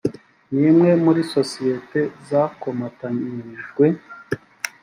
n imwe muri sosiyete zakomatanyirijwe